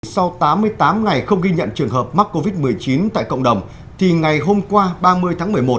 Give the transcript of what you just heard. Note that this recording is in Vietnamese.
sau tám mươi tám ngày không ghi nhận trường hợp mắc covid một mươi chín tại cộng đồng thì ngày hôm qua ba mươi tháng một mươi một